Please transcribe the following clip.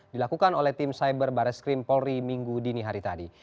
dilakukan oleh tim cyber barres krim polri minggu dini hari tadi